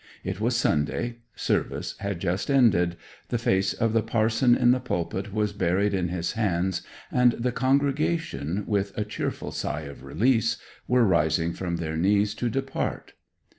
It was Sunday: service had just ended, the face of the parson in the pulpit was buried in his hands, and the congregation, with a cheerful sigh of release, were rising from their knees to depart.